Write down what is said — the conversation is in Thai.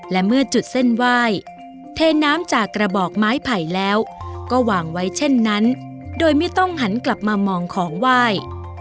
และเมื่อจุดเส้นไหว้เทน้ำจากกระบอกไม้ไผ่แล้วก็วางไว้เช่นนั้นโดยไม่ต้องหันกลับมามองของไหว้